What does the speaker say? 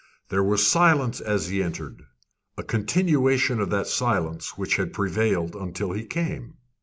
There was silence as he entered, a continuation of that silence which had prevailed until he came.